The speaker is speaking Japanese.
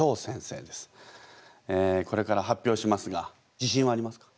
えこれから発表しますが自信はありますか？